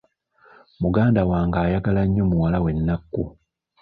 Muganda wange ayagala nnyo muwala we Nakku.